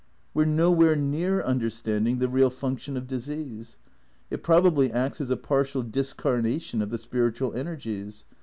We 're nowhere near understanding the real function of disease. It probably acts as a partial discarnation of the spiritual energies.